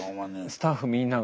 スタッフみんなが。